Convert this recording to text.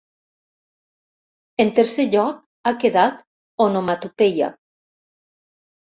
En tercer lloc ha quedat “onomatopeia”.